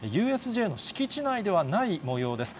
ＵＳＪの敷地内ではないもようです。